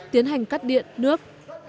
tiến hành cắt điện nước